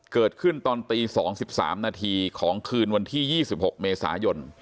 เกิดขึ้นตอนตีสองสิบสามนาทีของคืนวันที่ยี่สิบหกเมษายนต์